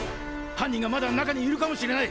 犯人がまだ中にいるかもしれない！